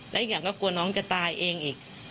และอีกอย่างก็กลัวน้องจะตายเองอีก